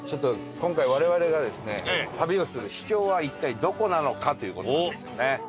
今回我々が旅をする秘境は一体どこなのか？という事なんですよね。